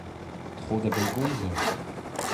Tro da bellgomzer !